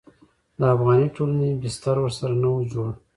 د افغاني ټولنې بستر ورسره نه و جوړ.